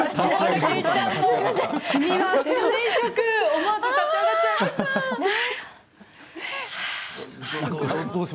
思わず立ち上がっちゃいましたね。